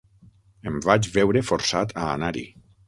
Em vaig veure forçat a anar-hi.